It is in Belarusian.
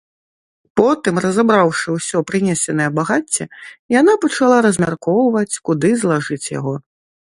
Потым, разабраўшы ўсё прынесенае багацце, яна пачала размяркоўваць, куды злажыць яго.